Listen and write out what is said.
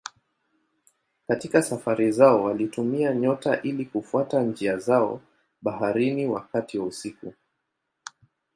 Katika safari zao walitumia nyota ili kufuata njia zao baharini wakati wa usiku.